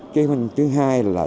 kế hoạch thứ hai là